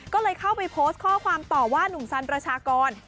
ก็เลยเข้าไปโพสต์ข้อความต่อว่านุ่มสันประชากร